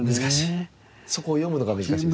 そこを読むのが難しいです。